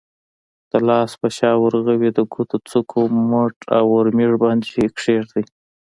د لاس په شا، ورغوي، د ګوتو څوکو، مټ او اورمیږ باندې کېږدئ.